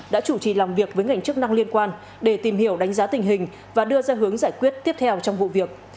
đã chủ trì làm việc với ngành chức năng liên quan để tìm hiểu đánh giá tình hình và đưa ra hướng giải quyết tiếp theo trong vụ việc